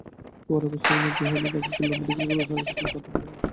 পরে অবস্থার অবনতি হলে তাঁকে খুলনা মেডিকেল কলেজ হাসপাতালে পাঠানো হয়।